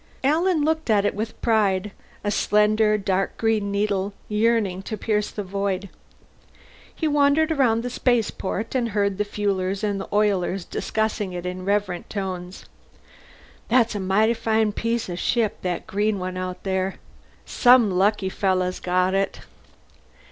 Alan looked at it with pride a slender dark green needle yearning to pierce the void. He wandered around the spaceport and heard the fuelers and oilers discussing it in reverent tones. "That's a mighty fine piece of ship, that green one out there. Some lucky fellow's got it."